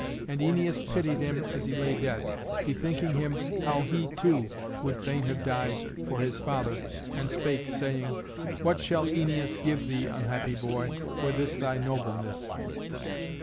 And Æneas pitied him as he lay dead, bethinking him how he, too, would fain have died for his father, and spake, saying, "What shall Æneas give thee, unhappy boy, for this thy nobleness?